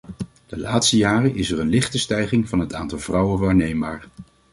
De laatste jaren is er een lichte stijging van het aantal vrouwen waarneembaar.